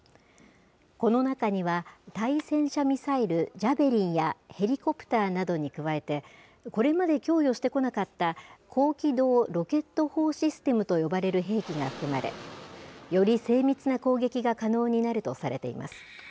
この中には、対戦車ミサイルジャベリンや、ヘリコプターなどに加えて、これまで供与してこなかった高機動ロケット砲システムと呼ばれる兵器が含まれ、より精密な攻撃が可能になるとされています。